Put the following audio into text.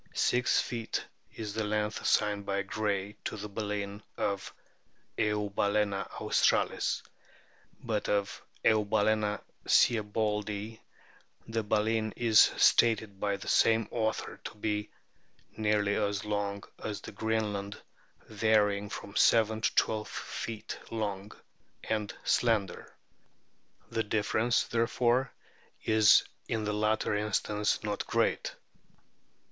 Six feet is the length assigned by Gray to the baleen of " Eubalcena australis "; but of "Eubafana sieboldii" the baleen is stated by the same author to be " nearly as long as the Greenland, varying from seven to twelve feet long, and slender." The difference, therefore, is in the latter instance not great.